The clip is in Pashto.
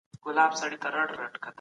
سياسي ثبات د اقتصادي ودي لامل ګرځي.